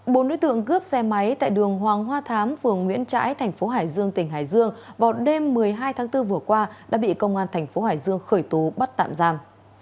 bốn đối tượng cướp xe máy tại đường hoàng hoa thám phường nguyễn trãi thành phố hải dương tỉnh hải dương vào đêm một mươi hai tháng bốn vừa qua đã bị công an thành phố hải dương khởi tố bắt tạm giam